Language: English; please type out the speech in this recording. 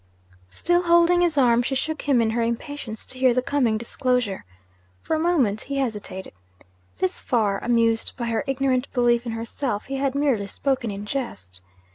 Still holding his arm, she shook him in her impatience to hear the coming disclosure. For a moment he hesitated. Thus far, amused by her ignorant belief in herself, he had merely spoken in jest.